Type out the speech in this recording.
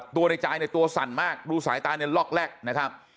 ในจายในตัวสั่นมากดูสายตาเนี่ยล็อกแรกนะครับ